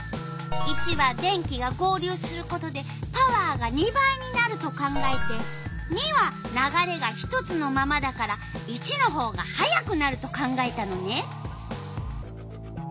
①は電気が合流することでパワーが２倍になると考えて②は流れが一つのままだから①のほうが速くなると考えたのね。